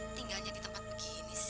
tinggalnya di tempat begini sih